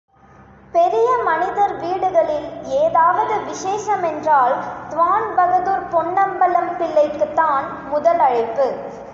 பெரிய மனிதர் வீடுகளில் ஏதாவது விசேஷமென்றால் திவான்பகதூர் பொன்னம்பலம் பிள்ளைக்குத்தான் முதல் அழைப்பு.